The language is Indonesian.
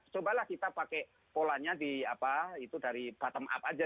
cobalah kita pakai polanya dari bottom up aja